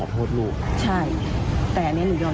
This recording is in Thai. พนักงานในร้าน